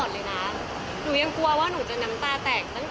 หนูยังกลัวว่าหนูจะน้ำตาแตก